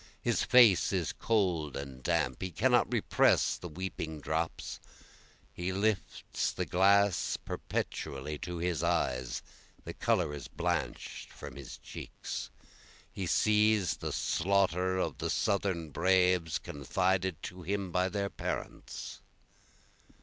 His face is cold and damp, he cannot repress the weeping drops, He lifts the glass perpetually to his eyes, the color is blanch'd from his cheeks, He sees the slaughter of the southern braves confided to him by their parents.